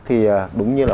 thì đúng như là